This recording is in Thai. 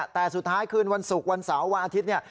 แต่สุดท้ายคืนวันศุกร์วันเสาร์วันอาทิตย์เนี่ย